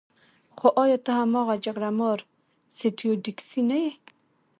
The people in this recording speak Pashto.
خو ایا ته هماغه جګړه مار سټیو ډیکسي نه یې